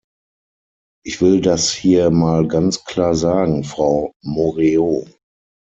Ich will das hier mal ganz klar sagen, Frau Moreau.